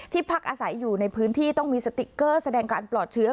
พักอาศัยอยู่ในพื้นที่ต้องมีสติ๊กเกอร์แสดงการปลอดเชื้อ